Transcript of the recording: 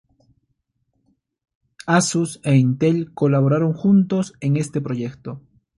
Asus e Intel colaboraron juntos en este proyecto.